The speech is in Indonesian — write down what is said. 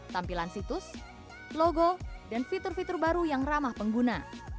tampilan situs logo dan fitur fitur baru yang ramah pengguna